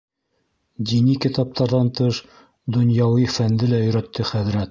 Дини китаптарҙан тыш донъяуи фәнде лә өйрәтте хәҙрәт.